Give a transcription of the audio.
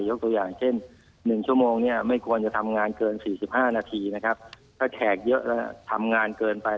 ยกตัวอย่างเช่น๑ชั่วโมงไม่ควรจะทำงานเกิน๔๕นาที